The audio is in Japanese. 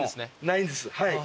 ないんですはい。